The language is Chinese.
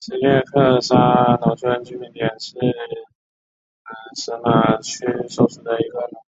希列克沙农村居民点是俄罗斯联邦伊万诺沃州基涅什马区所属的一个农村居民点。